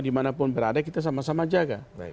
dimana pun berada kita sama sama jaga